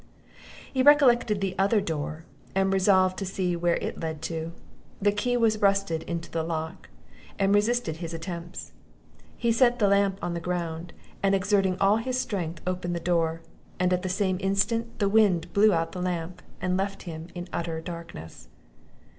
He recollected the other door, and resolved to see where it led to; the key was rusted into the lock, and resisted his attempts; he set the lamp on the ground, and, exerting all his strength, opened the door, and at the same instant the wind of it blew out the lamp, and left him in utter darkness.